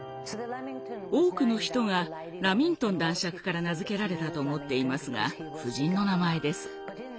多くの人がラミントン男爵から名付けられたと思っていますが夫人の名前です。